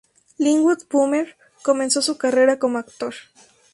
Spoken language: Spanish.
Linwood Boomer comenzó su carrera como actor.